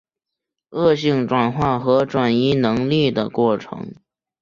恶性转化和转移能力的过程。